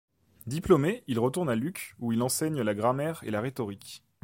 Diplômé, il retourne à Lucques, où il enseigne la grammaire et la rhétorique.